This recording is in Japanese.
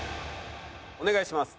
お願いします